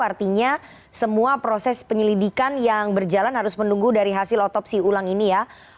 artinya semua proses penyelidikan yang berjalan harus menunggu dari hasil otopsi ulang ini ya